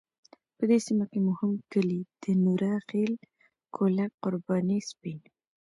په دې سیمه کې مهم کلی د نوره خیل، کولک، قرباني، سپین .